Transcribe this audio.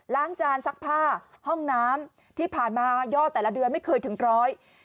จานซักผ้าห้องน้ำที่ผ่านมายอดแต่ละเดือนไม่เคยถึงร้อย